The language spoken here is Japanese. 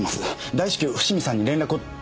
大至急伏見さんに連絡を。